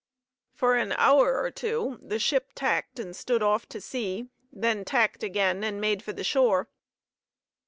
For an hour or two, the ship tacked and stood off to sea, then tacked again, and made for the shore.